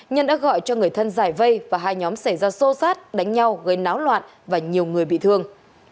nhân đã gọi cho người thân giải vây và hai nhóm xảy ra xô xát đánh nhau gây náo loạn và nhiều người bị thương